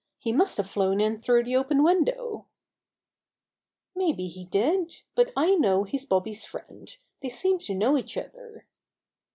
He must have flown in through the open window." "Maybe he did, but I know he's Bobby's friend. They seem to know each other."